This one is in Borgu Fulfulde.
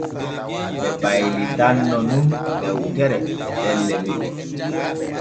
Ɓe baylitanno nun dewtere e ɗelle men.